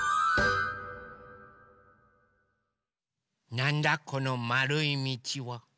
なんだこのまるいみちは？